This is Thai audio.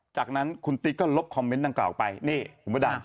จากนั้นคุณติ๊กก็ลบคอมเมนต์ดังกล่าวไปนี่คุณพระดำ